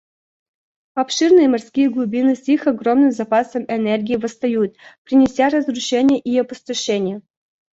Обширные морские глубины с их огромным запасом энергии восстают, принося разрушения и опустошение.